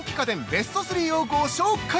ベスト３をご紹介！